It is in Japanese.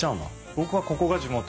僕はここが地元。